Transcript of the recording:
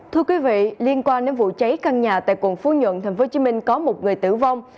thưa quý vị liên quan đến vụ cháy căn nhà tại quận phú nhuận tp hcm có một người tử vong